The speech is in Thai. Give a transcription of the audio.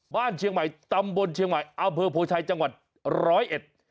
บ้านเฉียงใหม่ตำบลเฉียงใหม่อเบอร์โพชัยจังหวัด๑๐๑